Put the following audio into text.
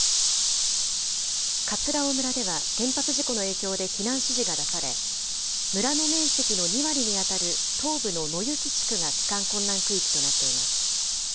葛尾村では、原発事故の影響で避難指示が出され、村の面積の２割に当たる東部の野行地区が帰還困難区域となっています。